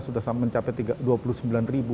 sudah mencapai dua puluh sembilan ribu